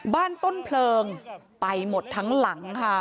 บ้านต้นเผลอไปหมดทั้งหลัง